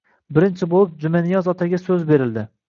Birinchi bo`lib Jumaniyoz otaga so`z berildi